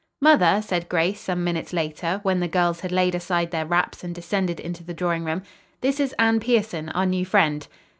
"Mother," said Grace some minutes later, when the girls had laid aside their wraps and descended into the drawing room, "this is Anne Pierson, our new friend."